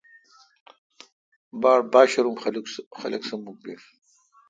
باڑ با شرم خلق سہ مکھ بیل۔